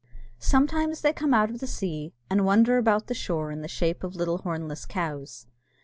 Sometimes they come out of the sea, and wander about the shore in the shape of little hornless cows.